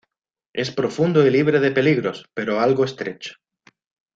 Es profundo y libre de peligros, pero algo estrecho.